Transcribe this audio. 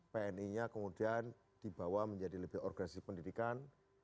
pni nya kemudian dibawa menjadi lebih organisasi pendidikan